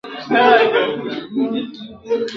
د ګیدړ تر ناز د زمري څيرل ښه دي ..